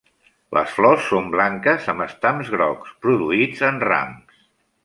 Les flors són blanques amb estams grocs, produïts en rams.